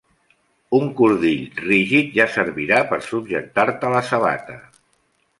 Un cordill rígid ja servirà per subjectar-te la sabata.